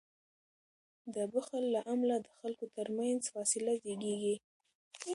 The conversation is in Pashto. د بخل له امله د خلکو تر منځ فاصله زیږیږي.